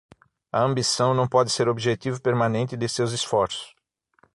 A ambição não pode ser o objetivo permanente de seus esforços.